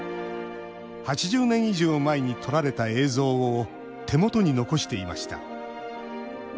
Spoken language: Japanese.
８０年以上前に撮られた映像を手元に残していました